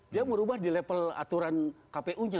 dia merubah di level aturan kpu nya